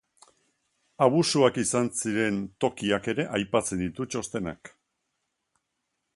Abusuak izan ziren tokiak ere aipatzen ditu txostenak.